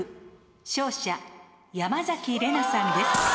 勝者山崎怜奈さんです。